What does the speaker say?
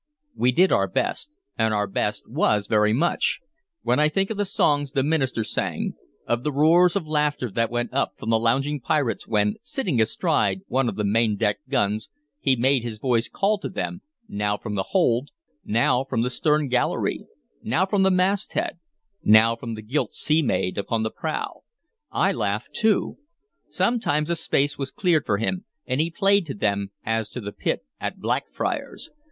We did our best, and our best was very much. When I think of the songs the minister sang; of the roars of laughter that went up from the lounging pirates when, sitting astride one of the main deck guns, he made his voice call to them, now from the hold, now from the stern gallery, now from the masthead, now from the gilt sea maid upon the prow, I laugh too. Sometimes a space was cleared for him, and he played to them as to the pit at Blackfriars.